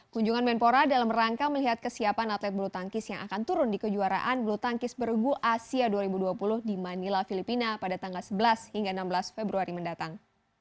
kunjungan menpora dalam rangka melihat kesiapan atlet bulu tangkis yang akan turun di kejuaraan bulu tangkis bergu asia dua ribu dua puluh di manila filipina pada tanggal sebelas hingga enam belas februari mendatang